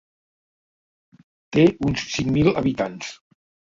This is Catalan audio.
Té uns cinc mil habitants.